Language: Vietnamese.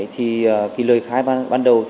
thì lời khai ban đầu